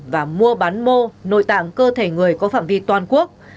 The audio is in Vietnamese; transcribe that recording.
và mua bán mô nội tạng cơ thể người có phạm vi toàn quốc